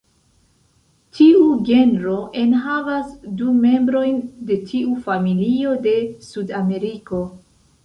Tiu genro enhavas du membrojn de tiu familio de Sudameriko.